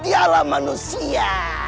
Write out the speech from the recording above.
di alam manusia